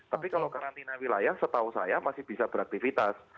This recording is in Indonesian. tapi kalau karantina wilayah setahu saya masih bisa beraktivitas